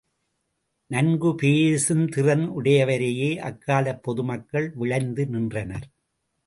நன்கு பேசுந் திறனுடையவரையே அக்காலப் பொதுமக்கள் விழைந்து நின்றனர்.